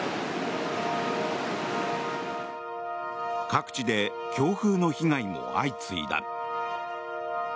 各地で強風の被害も相次いだ。